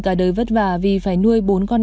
cả đời vất vả vì phải nuôi bốn con